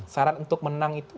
syarat untuk menang itu